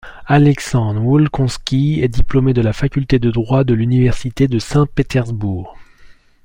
Alexandre Wolkonsky est diplômé de la faculté de Droit de l'université de Saint-Pétersbourg.